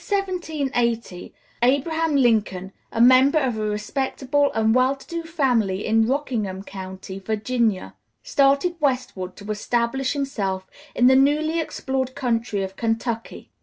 ] In the year 1780, Abraham Lincoln, a member of a respectable and well to do family in Rockingham County, Virginia, started westward to establish himself in the newly explored country of Kentucky.